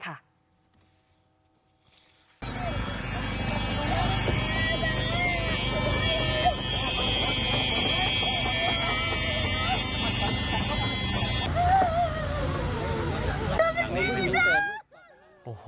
การคุยกับสิ่งที่ดีมันพอ